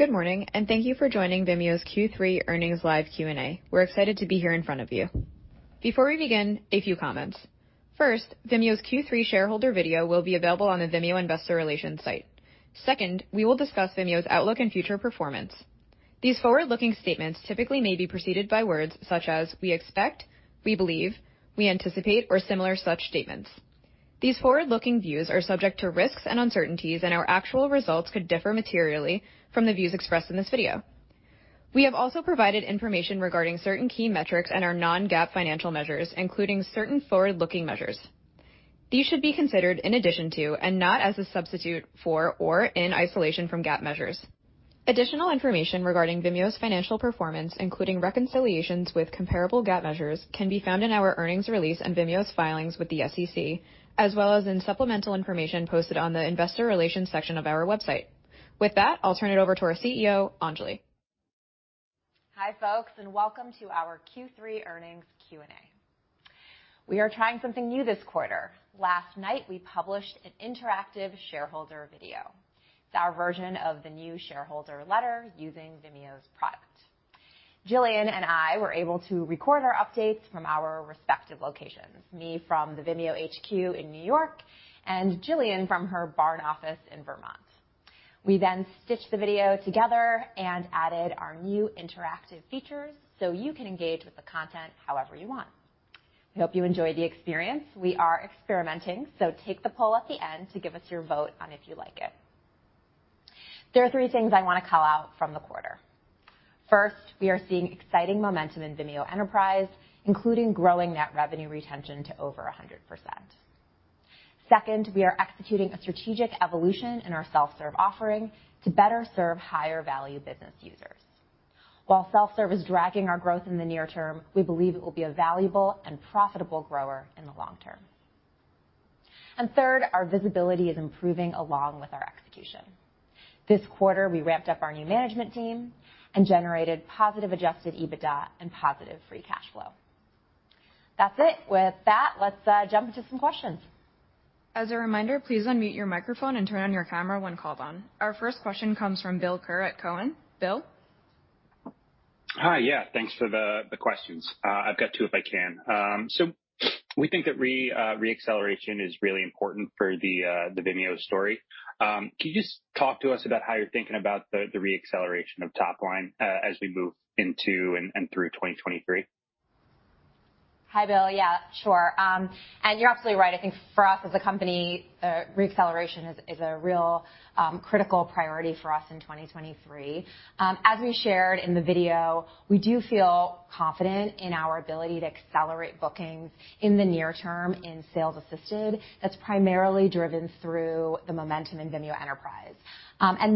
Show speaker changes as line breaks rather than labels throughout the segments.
Good morning, and thank you for joining Vimeo's Q3 earnings live Q&A. We're excited to be here in front of you. Before we begin, a few comments. First, Vimeo's Q3 shareholder video will be available on the Vimeo Investor Relations site. Second, we will discuss Vimeo's outlook and future performance. These forward-looking statements typically may be preceded by words such as, we expect, we believe, we anticipate, or similar such statements. These forward-looking views are subject to risks and uncertainties, and our actual results could differ materially from the views expressed in this video. We have also provided information regarding certain key metrics and our non-GAAP financial measures, including certain forward-looking measures. These should be considered in addition to and not as a substitute for or in isolation from GAAP measures. Additional information regarding Vimeo's financial performance, including reconciliations with comparable GAAP measures, can be found in our earnings release and Vimeo's filings with the SEC, as well as in supplemental information posted on the investor relations section of our website. With that, I'll turn it over to our CEO, Anjali.
Hi, folks, and welcome to our Q3 earnings Q&A. We are trying something new this quarter. Last night we published an interactive shareholder video. It's our version of the new shareholder letter using Vimeo's product. Gillian and I were able to record our updates from our respective locations, me from the Vimeo HQ in New York and Gillian from her barn office in Vermont. We then stitched the video together and added our new interactive features so you can engage with the content however you want. We hope you enjoy the experience. We are experimenting, so take the poll at the end to give us your vote on if you like it. There are three things I wanna call out from the quarter. First, we are seeing exciting momentum in Vimeo Enterprise, including growing net revenue retention to over 100%. Second, we are executing a strategic evolution in our self-serve offering to better serve higher value business users. While self-serve is dragging our growth in the near term, we believe it will be a valuable and profitable grower in the long term. Third, our visibility is improving along with our execution. This quarter, we ramped up our new management team and generated positive Adjusted EBITDA and positive free cash flow. That's it. With that, let's jump into some questions.
As a reminder, please unmute your microphone and turn on your camera when called on. Our first question comes from Bill Kerr at TD Cowen. Bill?
Hi. Yeah, thanks for the questions. I've got two, if I can. We think that reacceleration is really important for the Vimeo story. Can you just talk to us about how you're thinking about the reacceleration of top line, as we move into and through 2023?
Hi, Bill. Yeah, sure. You're absolutely right. I think for us as a company, re-acceleration is a real critical priority for us in 2023. As we shared in the video, we do feel confident in our ability to accelerate bookings in the near term in sales assisted. That's primarily driven through the momentum in Vimeo Enterprise.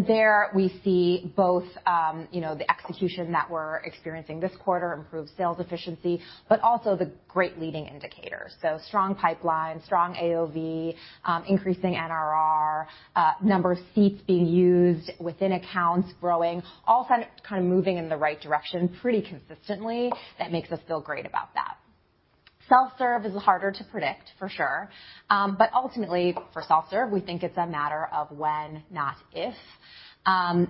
There we see both, you know, the execution that we're experiencing this quarter, improved sales efficiency, but also the great leading indicators. Strong pipeline, strong AOV, increasing NRR, number of seats being used within accounts growing, all signs kind of moving in the right direction pretty consistently. That makes us feel great about that. Self-serve is harder to predict for sure. Ultimately for self-serve, we think it's a matter of when, not if.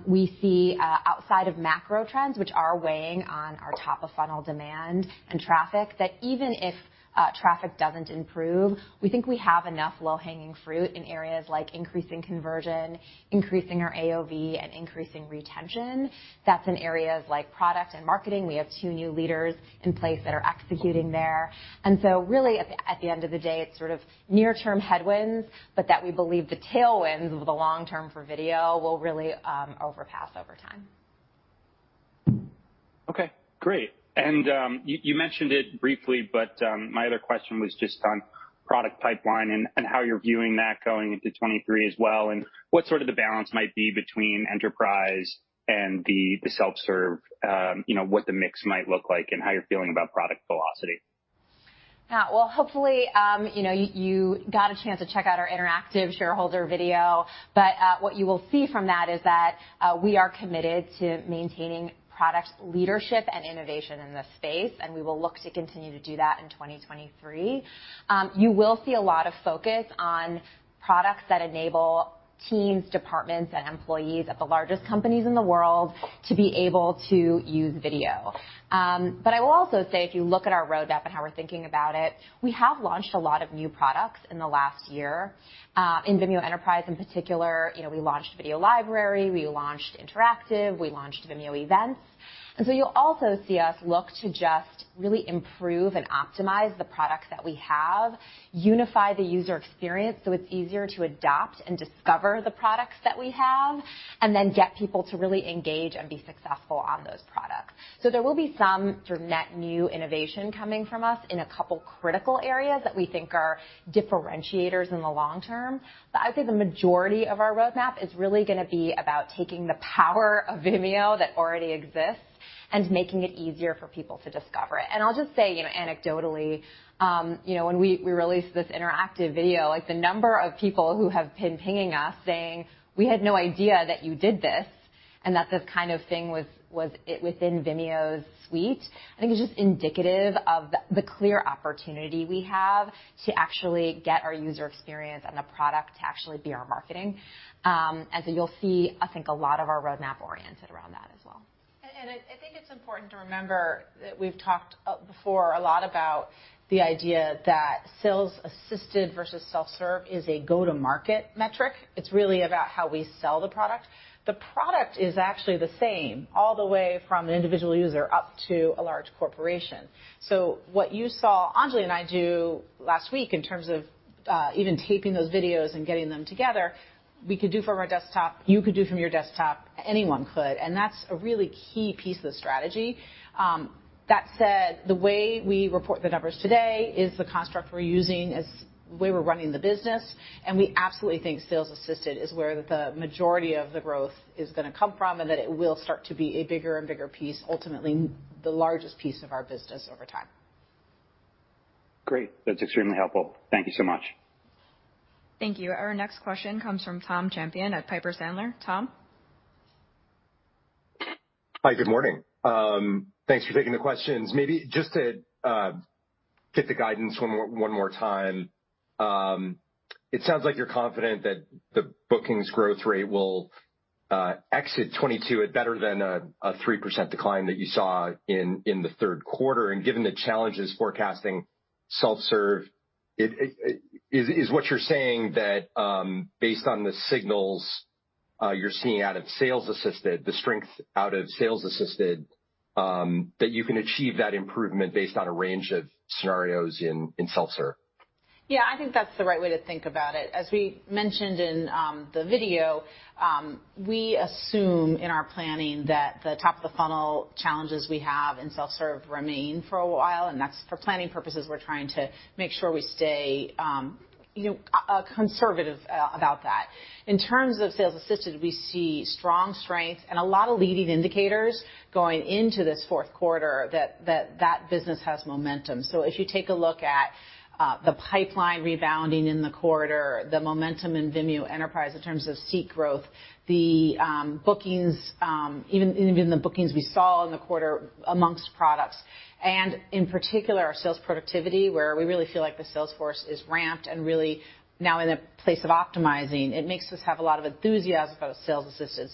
We see outside of macro trends, which are weighing on our top-of-funnel demand and traffic, that even if traffic doesn't improve, we think we have enough low-hanging fruit in areas like increasing conversion, increasing our AOV, and increasing retention. That's in areas like product and marketing. We have two new leaders in place that are executing there. Really at the end of the day, it's sort of near-term headwinds, but that we believe the tailwinds over the long term for video will really outpace over time.
Okay. Great. You mentioned it briefly, but my other question was just on product pipeline and how you're viewing that going into 2023 as well, and what sort of the balance might be between enterprise and the self-serve, you know, what the mix might look like, and how you're feeling about product velocity.
Yeah. Well, hopefully, you know, you got a chance to check out our interactive shareholder video. What you will see from that is that, we are committed to maintaining product leadership and innovation in this space, and we will look to continue to do that in 2023. You will see a lot of focus on products that enable teams, departments, and employees at the largest companies in the world to be able to use video. I will also say, if you look at our roadmap and how we're thinking about it, we have launched a lot of new products in the last year. In Vimeo Enterprise in particular, you know, we launched Video Library, we launched Interactive, we launched Vimeo Events. You'll also see us look to just really improve and optimize the products that we have, unify the user experience, so it's easier to adopt and discover the products that we have, and then get people to really engage and be successful on those products. There will be some sort of net new innovation coming from us in a couple critical areas that we think are differentiators in the long term. I would say the majority of our roadmap is really gonna be about taking the power of Vimeo that already exists and making it easier for people to discover it. I'll just say, you know, anecdotally, you know, when we released this interactive video, like the number of people who have been pinging us saying, "We had no idea that you did this. And that this kind of thing was even within Vimeo suite." I think is just indicative of the clear opportunity we have to actually get our user experience and the product to actually be our marketing. As you'll see, I think a lot of our roadmap oriented around that as well.
I think it's important to remember that we've talked before a lot about the idea that sales assisted versus self-serve is a go-to-market metric. It's really about how we sell the product. The product is actually the same all the way from an individual user up to a large corporation. What you saw Anjali and I do last week in terms of even taping those videos and getting them together, we could do from our desktop, you could do from your desktop, anyone could. That's a really key piece of the strategy. That said, the way we report the numbers today is the construct we're using as the way we're running the business. We absolutely think sales assisted is where the majority of the growth is gonna come from, and that it will start to be a bigger and bigger piece, ultimately the largest piece of our business over time.
Great. That's extremely helpful. Thank you so much.
Thank you. Our next question comes from Tom Champion at Piper Sandler. Tom?
Hi, good morning. Thanks for taking the questions. Maybe just to get the guidance one more time. It sounds like you're confident that the bookings growth rate will exit 2022 at better than a 3% decline that you saw in the third quarter. Given the challenges forecasting self-serve, is what you're saying that, based on the signals you're seeing out of sales assisted, the strength out of sales assisted, that you can achieve that improvement based on a range of scenarios in self-serve?
Yeah, I think that's the right way to think about it. As we mentioned in the video, we assume in our planning that the top of the funnel challenges we have in self-serve remain for a while, and that's for planning purposes, we're trying to make sure we stay, you know, conservative about that. In terms of sales assisted, we see strong strength and a lot of leading indicators going into this fourth quarter that that business has momentum. If you take a look at the pipeline rebounding in the quarter, the momentum in Vimeo Enterprise in terms of seat growth, the bookings, even the bookings we saw in the quarter amongst products, and in particular, our sales productivity, where we really feel like the sales force is ramped and really now in a place of optimizing, it makes us have a lot of enthusiasm about sales assisted.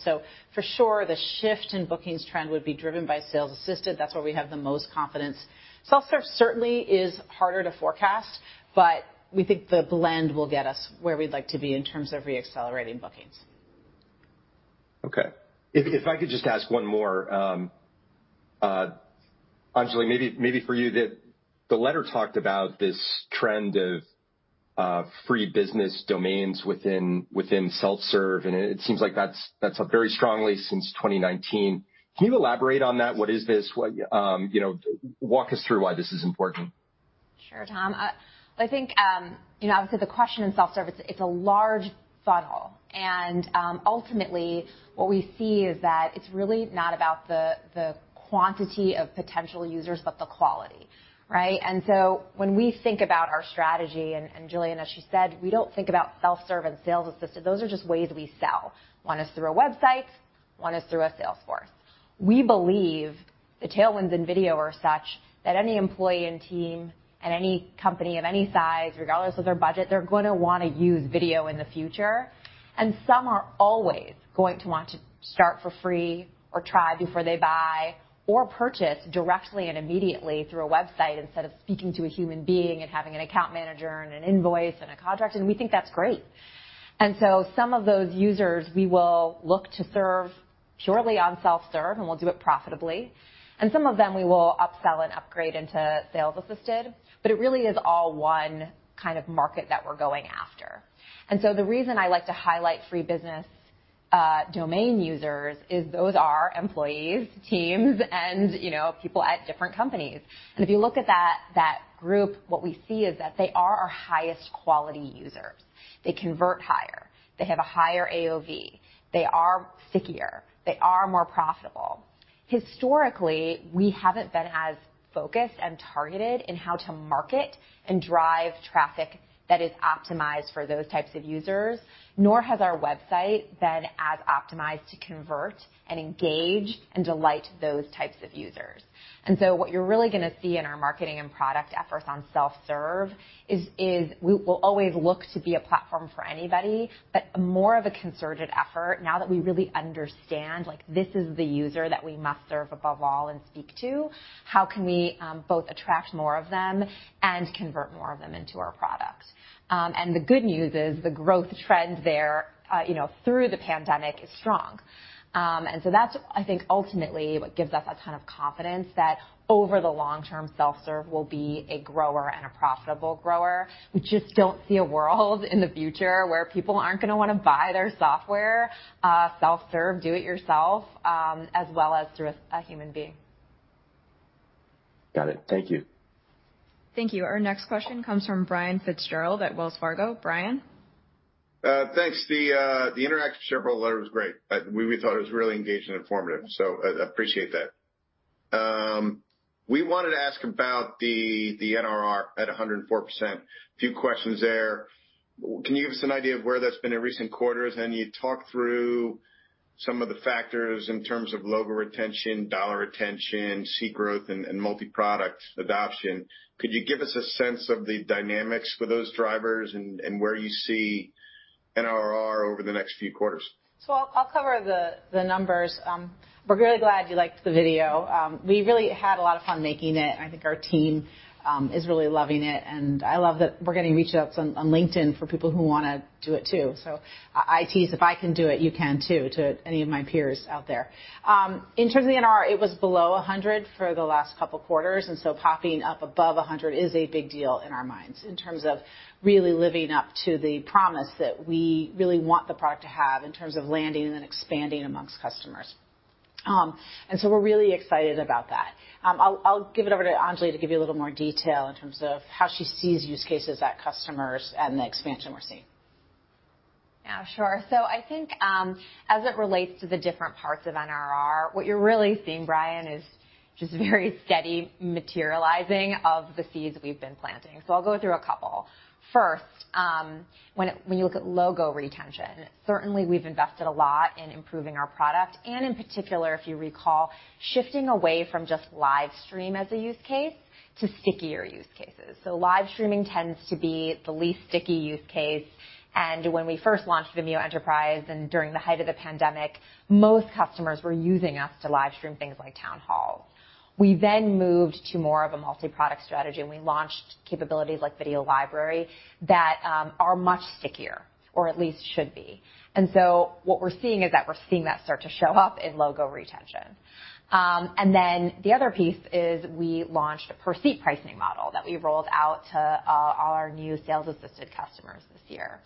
For sure, the shift in bookings trend would be driven by sales assisted. That's where we have the most confidence. Self-serve certainly is harder to forecast, but we think the blend will get us where we'd like to be in terms of reaccelerating bookings.
Okay. If I could just ask one more, Anjali, maybe for you. The letter talked about this trend of free business domains within self-serve, and it seems like that's up very strongly since 2019. Can you elaborate on that? What is this? What, you know, walk us through why this is important.
Sure, Tom. I think, obviously the question in self-service, it's a large funnel. Ultimately, what we see is that it's really not about the quantity of potential users, but the quality, right? When we think about our strategy, Gillian, as she said, we don't think about self-serve and sales assisted. Those are just ways we sell. One is through our websites, one is through our sales force. We believe the tailwinds in video are such that any employee and team at any company of any size, regardless of their budget, they're gonna wanna use video in the future. Some are always going to want to start for free or try before they buy or purchase directly and immediately through a website instead of speaking to a human being and having an account manager and an invoice and a contract, and we think that's great. Some of those users, we will look to serve purely on self-serve, and we'll do it profitably. Some of them we will upsell and upgrade into sales-assisted, but it really is all one kind of market that we're going after. The reason I like to highlight free business domain users is those are employees, teams, and, you know, people at different companies. If you look at that group, what we see is that they are our highest quality users. They convert higher, they have a higher AOV, they are stickier, they are more profitable. Historically, we haven't been as focused and targeted in how to market and drive traffic that is optimized for those types of users, nor has our website been as optimized to convert and engage and delight those types of users. What you're really gonna see in our marketing and product efforts on self-serve is we will always look to be a platform for anybody, but more of a concerted effort now that we really understand, like this is the user that we must serve above all and speak to, how can we both attract more of them and convert more of them into our products? The good news is the growth trends there, you know, through the pandemic is strong. That's, I think, ultimately what gives us a ton of confidence that over the long term, self-serve will be a grower and a profitable grower. We just don't see a world in the future where people aren't gonna wanna buy their software, self-serve, do it yourself, as well as through a human being.
Got it. Thank you.
Thank you. Our next question comes from Brian FitzGerald at Wells Fargo. Brian?
Thanks. The interactive shareholder letter was great. We thought it was really engaging and informative, so I appreciate that. We wanted to ask about the NRR at 104%. A few questions there. Can you give us an idea of where that's been in recent quarters? You talked through some of the factors in terms of logo retention, dollar retention, seat growth, and multiproduct adoption. Could you give us a sense of the dynamics for those drivers and where you see NRR over the next few quarters?
I'll cover the numbers. We're really glad you liked the video. We really had a lot of fun making it, and I think our team is really loving it. I love that we're getting reach outs on LinkedIn for people who wanna do it, too. I tease, "If I can do it, you can, too," to any of my peers out there. In terms of the NRR, it was below 100% for the last couple quarters, and popping up above 100% is a big deal in our minds in terms of really living up to the promise that we really want the product to have in terms of landing and then expanding amongst customers. We're really excited about that. I'll give it over to Anjali to give you a little more detail in terms of how she sees use cases at customers and the expansion we're seeing.
Yeah, sure. I think, as it relates to the different parts of NRR, what you're really seeing, Brian, is just very steady materializing of the seeds we've been planting. I'll go through a couple. First, when you look at logo retention, certainly we've invested a lot in improving our product and in particular, if you recall, shifting away from just live stream as a use case to stickier use cases. Live streaming tends to be the least sticky use case. When we first launched Vimeo Enterprise and during the height of the pandemic, most customers were using us to live stream things like town halls. We then moved to more of a multiproduct strategy, and we launched capabilities like Video Library that are much stickier or at least should be. What we're seeing is that start to show up in logo retention. The other piece is we launched a per-seat pricing model that we rolled out to all our new sales-assisted customers this year.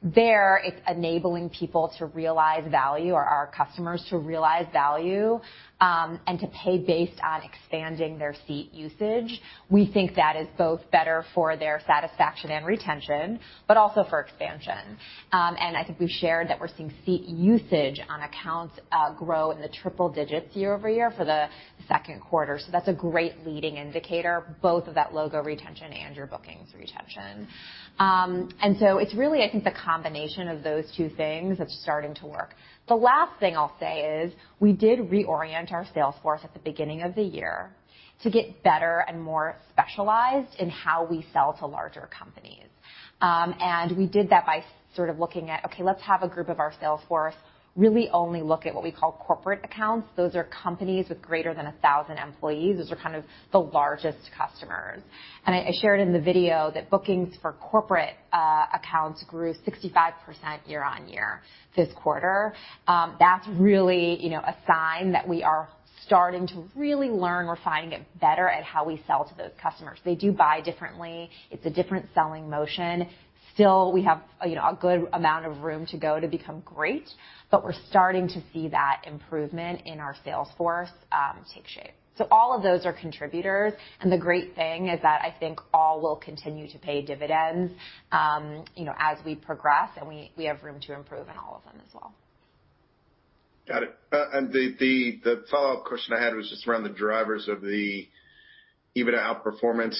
There, it's enabling people to realize value or our customers to realize value, and to pay based on expanding their seat usage. We think that is both better for their satisfaction and retention, but also for expansion. I think we shared that we're seeing seat usage on accounts grow in the triple digits year-over-year for the second quarter. That's a great leading indicator, both of that logo retention and your bookings retention. It's really, I think, the combination of those two things that's starting to work. The last thing I'll say is we did reorient our sales force at the beginning of the year to get better and more specialized in how we sell to larger companies. We did that by sort of looking at, okay, let's have a group of our sales force really only look at what we call corporate accounts. Those are companies with greater than 1,000 employees. Those are kind of the largest customers. I shared in the video that bookings for corporate accounts grew 65% year-over-year this quarter. That's really, you know, a sign that we are starting to really learn. We're finding it better at how we sell to those customers. They do buy differently. It's a different selling motion. Still, we have, you know, a good amount of room to go to become great, but we're starting to see that improvement in our sales force take shape. All of those are contributors. The great thing is that I think all will continue to pay dividends, you know, as we progress, and we have room to improve in all of them as well.
Got it. The follow-up question I had was just around the drivers of the EBITDA outperformance.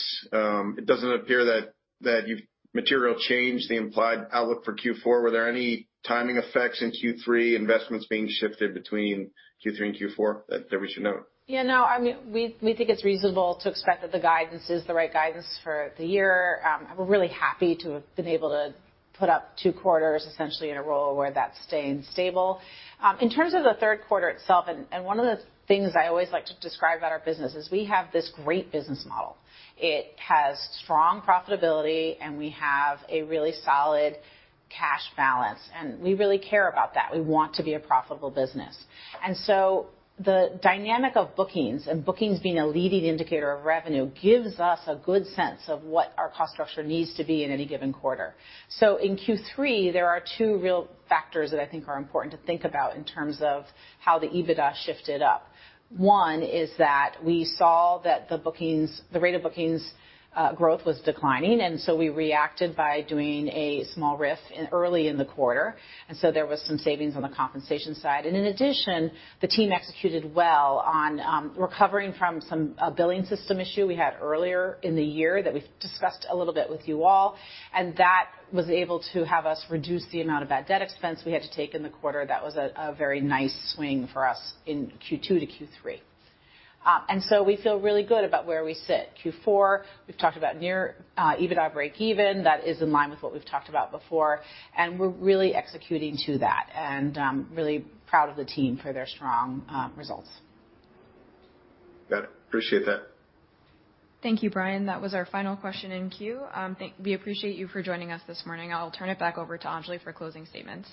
It doesn't appear that you've materially changed the implied outlook for Q4. Were there any timing effects in Q3, investments being shifted between Q3 and Q4 that we should note?
Yeah, no, I mean, we think it's reasonable to expect that the guidance is the right guidance for the year. We're really happy to have been able to put up two quarters essentially in a row where that's staying stable. In terms of the third quarter itself and one of the things I always like to describe about our business is we have this great business model. It has strong profitability, and we have a really solid cash balance, and we really care about that. We want to be a profitable business. The dynamic of bookings and bookings being a leading indicator of revenue gives us a good sense of what our cost structure needs to be in any given quarter. In Q3, there are two real factors that I think are important to think about in terms of how the EBITDA shifted up. One is that we saw that the rate of bookings growth was declining, and we reacted by doing a small RIF early in the quarter. There was some savings on the compensation side. In addition, the team executed well on recovering from a billing system issue we had earlier in the year that we've discussed a little bit with you all, and that was able to have us reduce the amount of bad debt expense we had to take in the quarter. That was a very nice swing for us in Q2 to Q3. We feel really good about where we sit. Q4, we've talked about near EBITDA breakeven. That is in line with what we've talked about before, and we're really executing to that and, really proud of the team for their strong, results.
Got it. Appreciate that.
Thank you, Brian. That was our final question in queue. We appreciate you for joining us this morning. I'll turn it back over to Anjali for closing statements.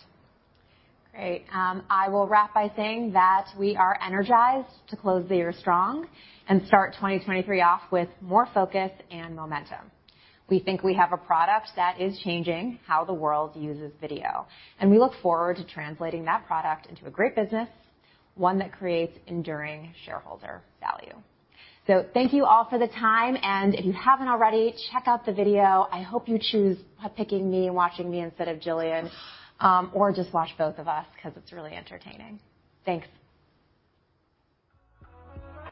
Great. I will wrap by saying that we are energized to close the year strong and start 2023 off with more focus and momentum. We think we have a product that is changing how the world uses video, and we look forward to translating that product into a great business, one that creates enduring shareholder value. Thank you all for the time, and if you haven't already, check out the video. I hope you choose picking me and watching me instead of Gillian, or just watch both of us 'cause it's really entertaining. Thanks.